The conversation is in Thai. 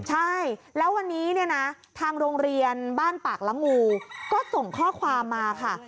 ใช่แล้ววันนี้เนี่ยนะทางโรงเรียนบ้านปากละงูก็ส่งข้อความมาค่ะ